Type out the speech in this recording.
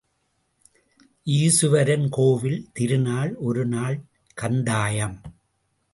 ஈசுவரன் கோவில் திருநாள் ஒரு நாள் கந்தாயம்.